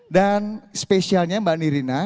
dan spesialnya mbak nirina